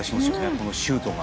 このシュートが。